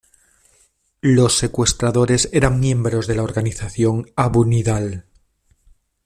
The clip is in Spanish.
Los secuestradores eran miembros de la Organización Abu Nidal.